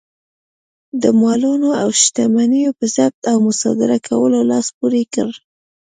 د مالونو او شتمنیو په ضبط او مصادره کولو لاس پورې کړ.